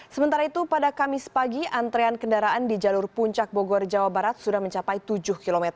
sementara itu pada kamis pagi antrean kendaraan di jalur puncak bogor jawa barat sudah mencapai tujuh km